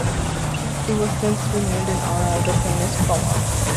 It was since renamed in honor of the famous poem.